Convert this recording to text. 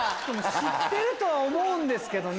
知ってるとは思うんですけどね。